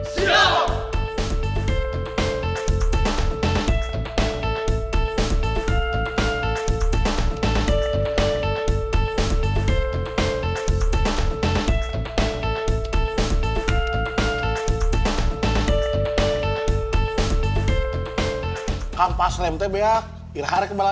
bisa untuk apa